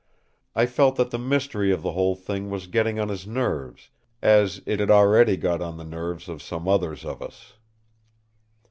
I felt that the mystery of the whole thing was getting on his nerves, as it had already got on the nerves of some others of us.